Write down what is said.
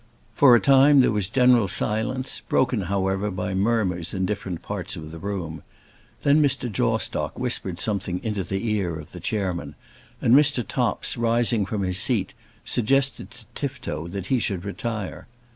For a time there was general silence, broken, however, by murmurs in different parts of the room. Then Mr. Jawstock whispered something into the ear of the Chairman, and Mr. Topps, rising from his seat, suggested to Tifto that he should retire.